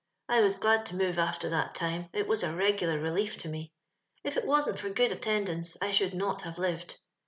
I was glad to move after that time, it was a regular relief to me; if it wasn't for good attendance, I should not have lived.